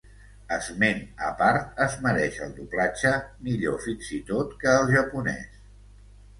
Esment a part es mereix el doblatge, millor fins i tot que el japonès.